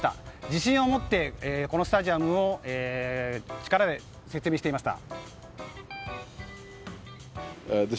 自信を持ってこのスタジアムのことを説明していました。